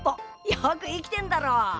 よく生きてんだろ。